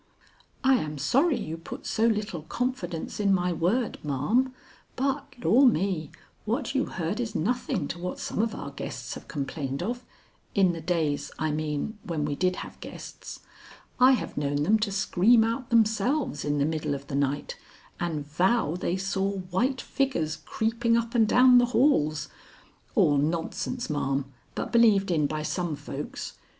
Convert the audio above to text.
"I am sorry you put so little confidence in my word, ma'am, but Lor' me, what you heard is nothing to what some of our guests have complained of in the days, I mean, when we did have guests. I have known them to scream out themselves in the middle of the night and vow they saw white figures creeping up and down the halls all nonsense, ma'am, but believed in by some folks.